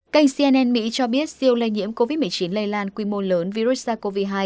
kênh cnn mỹ cho biết siêu lây nhiễm covid một mươi chín lây lan quy mô lớn virus sars cov hai